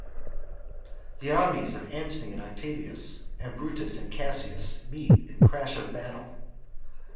"_ The armies of Antony and Octavius and Brutus and Cassius meet in crash of battle.